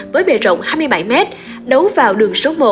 với bề rộng hai mươi bảy m đấu vào đường số một